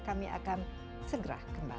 kami akan segera kembali